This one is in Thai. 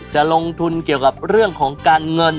จะลงทุนเกี่ยวกับเรื่องของการเงิน